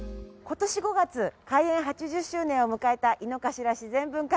今年５月開園８０周年を迎えた井の頭自然文化園。